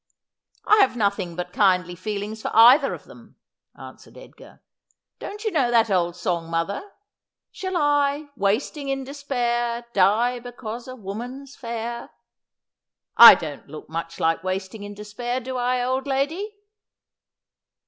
' I have nothing but kindly feelings for either of them,' an swered Edgar. 'Don't you know the old song, mother—" Shall I, wasting in despair, die because a woman's fair ?" I don 't look much like wasting in despair, do I, old lady